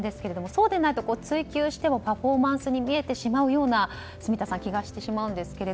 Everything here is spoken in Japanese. そうでないと追及してもパフォーマンスに見えてしまうような、住田さん気がしてしまうんですが。